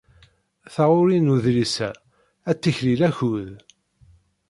Taɣuri n udlis-a ad tiklil akud.